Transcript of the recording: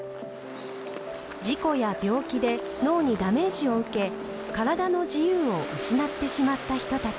事故や病気で脳にダメージを受け体の自由を失ってしまった人たち。